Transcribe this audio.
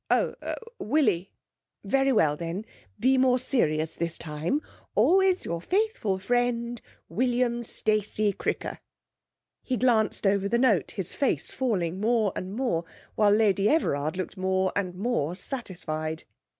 'Oh, Willie.' 'Very well then, be more serious this time: Always your faithful friend, William Stacey Cricker.' He glanced over the note, his face falling more and more, while Lady Everard looked more and more satisfied.